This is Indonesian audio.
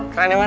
keren ya man